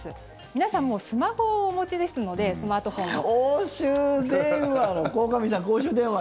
皆さん、スマホをお持ちですのでスマートフォンを。